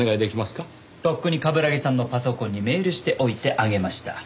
とっくに冠城さんのパソコンにメールしておいてあげました。